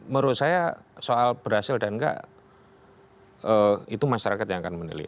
menurut saya soal berhasil dan enggak itu masyarakat yang akan menilai